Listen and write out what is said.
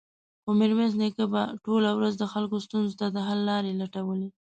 خو ميرويس نيکه به ټوله ورځ د خلکو ستونزو ته د حل لارې لټولې.